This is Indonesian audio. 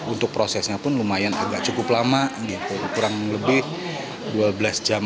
untuk prosesnya pun lumayan agak cukup lama kurang lebih dua belas jam